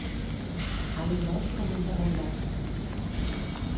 Alt i gros com un terrandòs